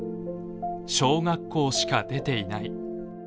小学校しか出ていない。